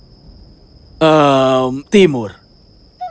dia menceritakan kisah tentang brokat ibunya